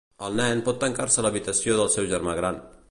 El nen pot tancar-se a l'habitació del seu germà gran.